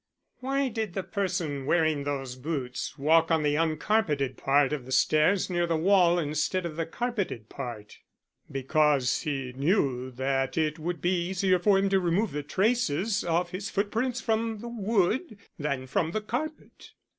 "Why did the person wearing those boots walk on the uncarpeted part of the stairs near the wall instead of the carpeted part?" "Because he knew that it would be easier for him to remove the traces of his footprints from the wood than from the carpet."